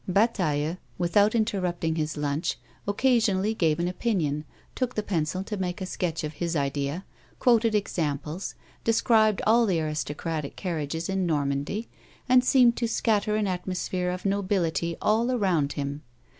Bataille, without interrupting his lunch, occasionally gave an opinion, took the pencil to make a sketch of his idea, quoted examples, described all the aristocratic carriages in Normandy, and seemed to scatter an atmosphere of nobility all around him.